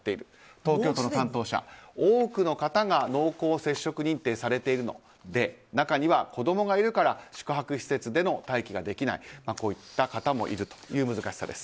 東京都の担当者は多くの方が濃厚接触認定されているので中には子供がいるから宿泊施設での待機ができないといった方もいるという難しさです。